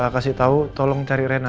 kasih tau tolong cari reina